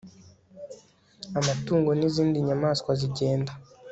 amatungo n izindi nyamaswa zigenda